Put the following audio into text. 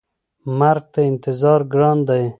مرګ ته انتظار ګران دی.